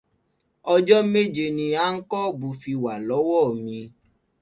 Ọjọ́ méje ní áńkọ̀bù fi wà lọ́wọ́ mi.